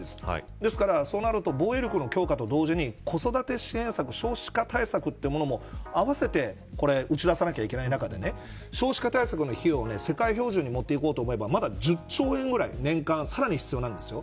ですから、そうなると防衛力の強化と同時に子育て支援策、少子化対策というものも合わせて併せて打ち出さなければいけない中で少子化対策の費用を世界標準に持っていこうと思えばまだ１０兆円ぐらい年間さらに必要なんです。